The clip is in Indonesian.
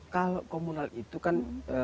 kalau komunal itu kan